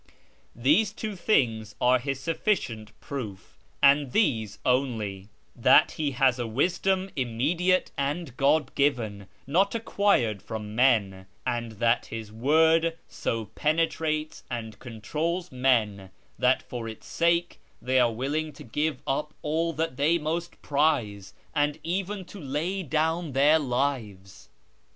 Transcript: These two things are his sufficient proof, and these only : that he has wisdom immediate and God given, not acquired from men ; and that his word so penetrates and controls men that for its sake they are willing to give up all that they most prize, and even to lay down their lives."